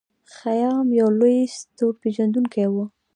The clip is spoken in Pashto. خیام یو لوی ستورپیژندونکی و.